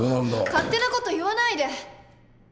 勝手な事言わないで！